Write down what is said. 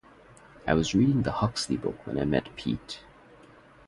I was reading the Huxley book when I met Pete...